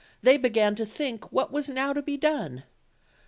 they began to think what was now to be done.